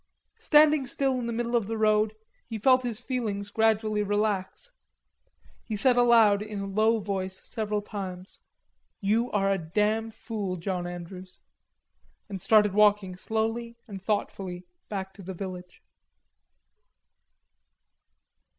Standing still in the middle of the road, he felt his feelings gradually relax. He said aloud in a low voice several times: "You are a damn fool, John Andrews," and started walking slowly and thoughtfully back to the village.